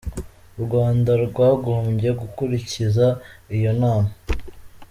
U Rwanda rwagombye gukurikiza iyo nama.